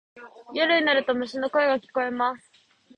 夜になると虫の声が聞こえます。